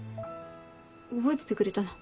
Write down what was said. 覚えててくれたの？